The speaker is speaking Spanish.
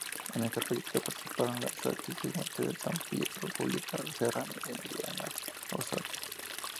En esta película participaron las actrices Mercedes Sampietro, Julieta Serrano y Adriana Ozores.